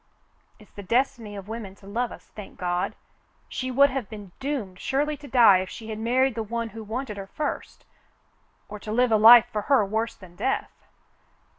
It's the destiny of women to love us, thank God. She would have been doomed surely to die if she had married the one who wanted her first — or to live a life for her worse than death."